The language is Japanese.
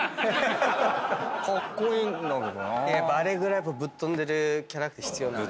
あれぐらいぶっ飛んでるキャラって必要なんで。